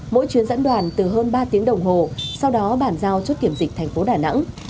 mỗi chuyến dẫn đoàn từ hơn ba tiếng đồng hồ sau đó bàn giao chốt kiểm dịch thành phố đà nẵng